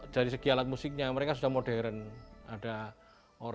dari segi alat musiknya mereka sudah modern ada origin ada keyboard